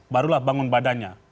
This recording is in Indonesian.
barulah bangun badannya